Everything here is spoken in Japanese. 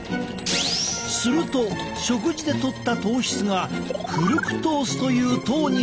すると食事でとった糖質がフルクトースという糖に変換される。